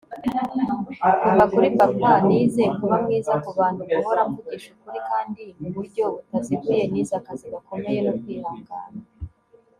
kuva kuri papa nize kuba mwiza kubantu, guhora mvugisha ukuri kandi mu buryo butaziguye. nize akazi gakomeye no kwihangana